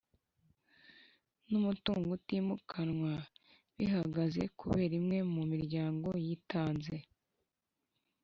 N’umutungo utimukanwa bihagaze kubera imwe mu miryango yitanze